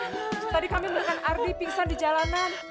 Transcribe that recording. ibu bu fatima tadi kami dengan ardi pingsan di jalanan